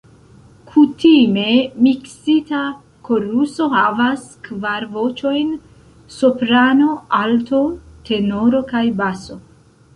Kutime miksita koruso havas kvar voĉojn: Soprano, Alto, Tenoro kaj Baso.